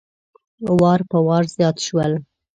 وار په وار زیات شول.